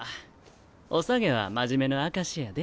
おさげは真面目の証しやで。